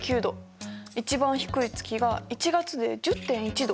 一番低い月が１月で１０．１度。